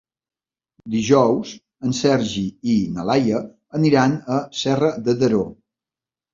Dijous en Sergi i na Laia aniran a Serra de Daró.